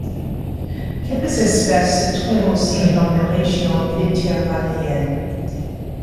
Quelques espèces se trouvent aussi dans la région méditerranéenne.